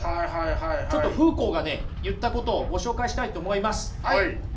ちょっとフーコーがね言ったことをご紹介したいと思います。